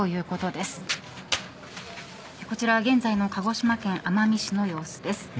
こちらは現在の鹿児島県奄美市の様子です。